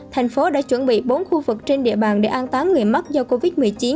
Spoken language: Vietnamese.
thành phố đã chuẩn bị bốn khu vực trên địa bàn để an táng người mắc do covid một mươi chín